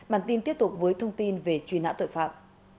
bản tin tiếp tục với thông tin về truy nã tội phạm